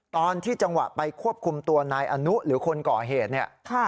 ตอนที่จังหวะไปควบคุมตัวนายอนุหรือคนก่อเหตุเนี่ย